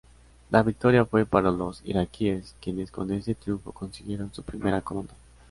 La victoria fue para los iraquíes quienes con este triunfo consiguieron su primera corona.